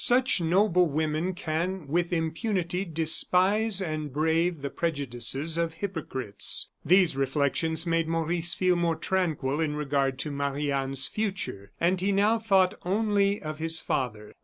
Such noble women can, with impunity, despise and brave the prejudices of hypocrites. These reflections made Maurice feel more tranquil in regard to Marie Anne's future, and he now thought only of his father.